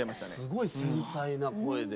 すごい繊細な声で。